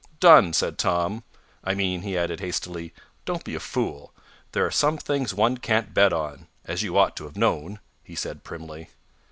"Done," said Tom. "I mean," he added hastily, "don't be a fool. There are some things one can't bet on. As you ought to have known," he said primly.